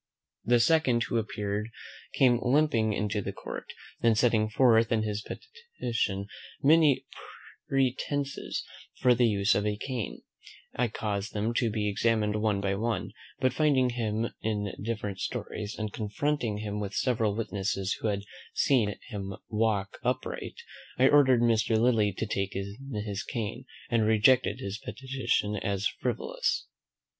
The second who appeared came limping into the court; and setting forth in his petition many pretences for the use of a cane, I caused them to be examined one by one, but finding him in different stories, and confronting him with several witnesses who had seen him walk upright, I ordered Mr. Lillie to take in his cane, and rejected his petition as frivolous.